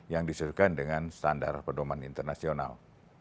yang disesuaikan dengan standar pedoman internasional